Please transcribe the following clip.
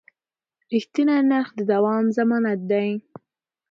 رښتیني نرخ د دوام ضمانت دی.